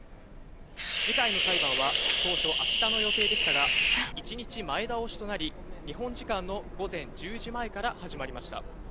次回の裁判は当初明日の予定でしたが、一日前倒しとなり、日本時間の午前１０時前から始まりました。